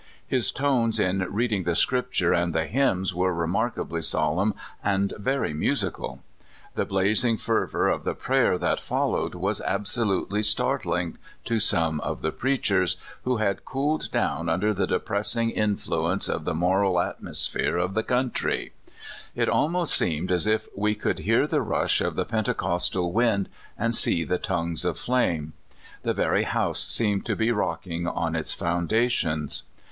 His tones in reading the Scripture and the hymns were unspeakably solemn and very (133) 134 CALIFORNIA SKETCHES. musical. The blazing fervor of the prayer that followed was absolutely startling to some of the preachers, who had cooled down under the depress ing influence of the moral atmosphere of the coun try. It almost seemed as if we could hear the rush of the pentecostal wind, and see the tongues of flame. The very house seemed to be rocking on its foundations.